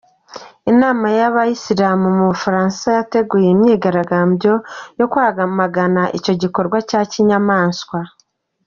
Inama y’Abayisilamu mu Bufaransa yateguye imyigaragambyo yo kwamagana icyo gikorwa cya kinyamaswa.